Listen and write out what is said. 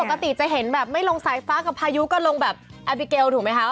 ปกติจะเห็นแบบไม่ลงสายฟ้ากับพายุก็ลงแบบแอบิเกลถูกไหมคะ